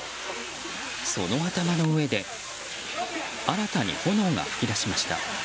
その頭の上で新たに炎が噴き出しました。